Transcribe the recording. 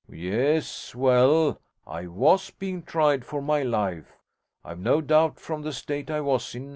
'Yes; well, I was being tried, for my life, I've no doubt, from the state I was in.